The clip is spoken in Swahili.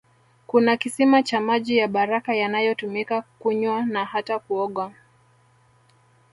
Kuna kisima cha maji ya baraka yanayotumika kunywa na hata kuoga